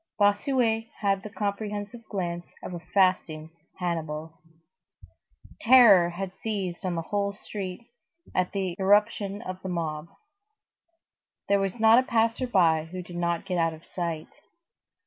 Bossuet had the comprehensive glance of a fasting Hannibal. Terror had seized on the whole street at the irruption of the mob. There was not a passer by who did not get out of sight.